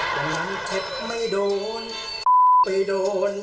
วันนั้นเช็ดไม่โดนไปโดน